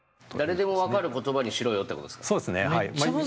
そうですねはい。